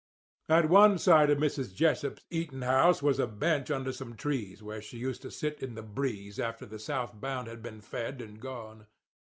"At one side of Mrs. Jessup's eating house was a bench under some trees where she used to sit in the breeze after the south bound had been fed and gone.